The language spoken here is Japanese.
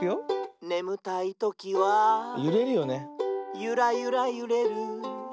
「ねむたいときはユラユラゆれる」